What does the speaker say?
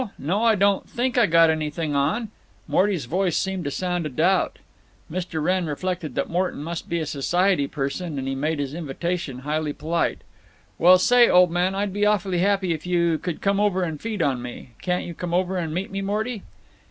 No, I don't think I've got anything on." Morton's voice seemed to sound a doubt. Mr. Wrenn reflected that Morton must be a society person; and he made his invitation highly polite: "Well, say, old man, I'd be awful happy if you could come over and feed on me. Can't you come over and meet me, Morty?"